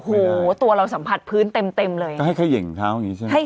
โอ้โหตัวเราสัมผัสพื้นเต็มเต็มเลยให้เขย่งเท้าอย่างนี้ใช่ไหมใช่